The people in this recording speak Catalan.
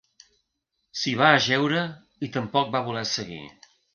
S'hi va ajeure i tampoc va voler seguir.